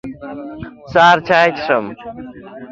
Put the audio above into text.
سهار چاي څښم.